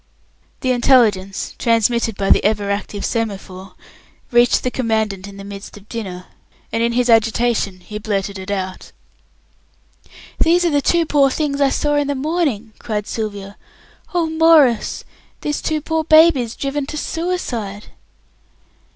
The intelligence, transmitted by the ever active semaphore, reached the Commandant in the midst of dinner, and in his agitation he blurted it out. "These are the two poor things I saw in the morning," cried Sylvia. "Oh, Maurice, these two poor babies driven to suicide!"